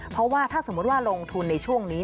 เพราะว่าถ้าสมมุติว่าลงทุนในช่วงนี้